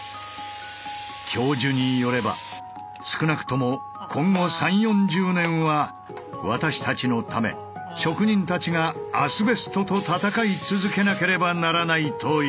教授によれば少なくとも今後３０４０年は私たちのため職人たちがアスベストと戦い続けなければならないという。